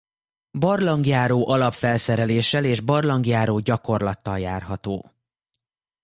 Barlangjáró alapfelszereléssel és barlangjáró gyakorlattal járható.